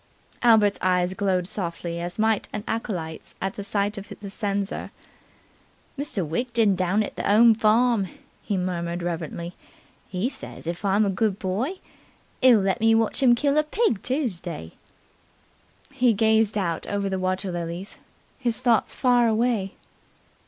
Albert's eyes glowed softly, as might an acolyte's at the sight of the censer. "Mr. Widgeon down at the 'ome farm," he murmured reverently, "he says, if I'm a good boy, 'e'll let me watch 'im kill a pig Toosday." He gazed out over the water lilies, his thoughts far away.